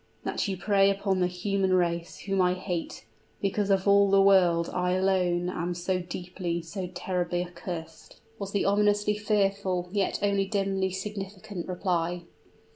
"That you prey upon the human race, whom I hate; because of all the world I alone am so deeply, so terribly accurst!" was the ominously fearful yet only dimly significant reply.